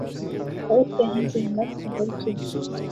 اور کہیں زحمت ، مگر کیوں ۔